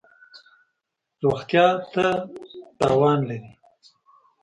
روغتیا ته تاوان لری